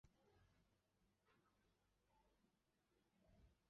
日出世界巡回演唱会是哥伦比亚女歌手夏奇拉举办的第五次巡回演唱会。